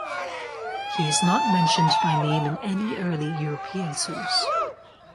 He is not mentioned by name in any early European source.